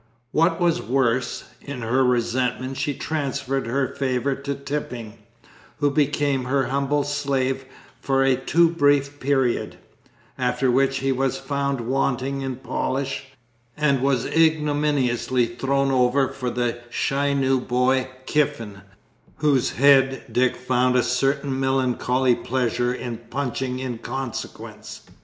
What was worse, in her resentment she transferred her favour to Tipping, who became her humble slave for a too brief period; after which he was found wanting in polish, and was ignominiously thrown over for the shy new boy Kiffin, whose head Dick found a certain melancholy pleasure in punching in consequence.